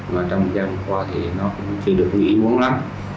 mà trong gia đình hòa thì nó cũng chưa được nghĩ muốn lắm